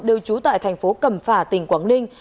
đều trú tại thành phố cẩm phả tỉnh quảng ninh